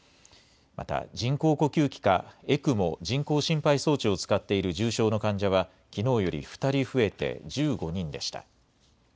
また、人工呼吸器か、ＥＣＭＯ・人工心肺装置を使っている重症の患者はきのうより２人増えて１５人でした。